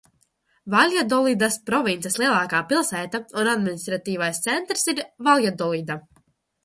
Valjadolidas provinces lielākā pilsēta un administratīvais centrs ir Valjadolida.